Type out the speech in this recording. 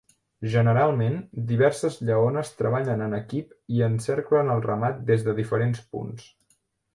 Generalment, diverses lleones treballen en equip i encerclen el ramat des de diferents punts.